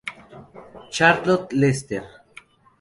Charlotte Lester.